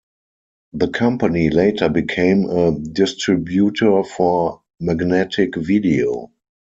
The company later became a distributor for Magnetic Video.